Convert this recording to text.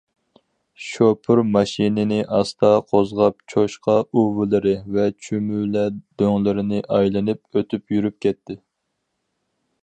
شوپۇر ماشىنىنى ئاستا قوزغاپ چوشقا ئۇۋىلىرى ۋە چۈمۈلە دۆڭلىرىنى ئايلىنىپ ئۆتۈپ يۈرۈپ كەتتى.